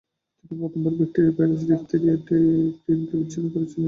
তিনি প্রথম bacteria virus ও ডিফথেরিয়া অ্যান্টিটক্রিনকে বিচ্ছিন্ন করেছিলেন।